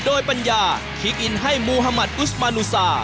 โดยปัญญาคิกอินให้มูฮามัติอุสมานูซา